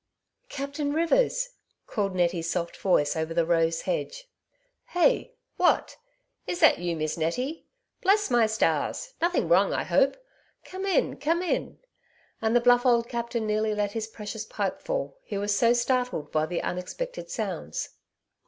Captain Rivers !" called Nettie's soft voice over the rose hedge. "iEey! what! is that you, Miss Nettie? Bless my stars ! nothing wrong I hope ? Come in, come in !" and the bluff old captain nearly let his pre cious pipe fall, he was so startled by the un expected sounds.